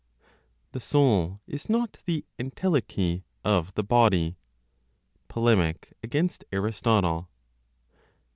THE SOUL IS NOT THE ENTELECHY OF THE BODY (POLEMIC AGAINST ARISTOTLE).